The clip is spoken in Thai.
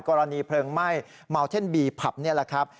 กรณีเพลิงไหม้เมาเท่นบีผับนี่แหละครับ